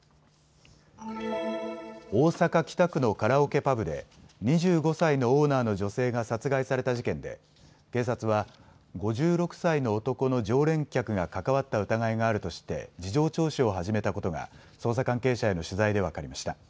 大阪北区のカラオケパブで２５歳のオーナーの女性が殺害された事件で警察は５６歳の男の常連客が関わった疑いがあるとして事情聴取を始めたことが捜査関係者への取材で分かりました。